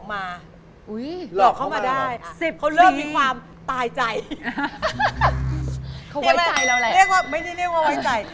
ไม่ได้เรียกว่าไว้ใจ